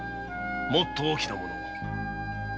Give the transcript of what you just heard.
もっと大きなもの